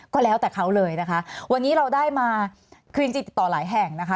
ก็แล้วแต่เขาเลยนะคะวันนี้เราได้มาคือจริงจริงติดต่อหลายแห่งนะคะ